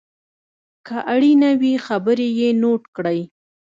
که اړینه وي خبرې یې نوټ کړئ.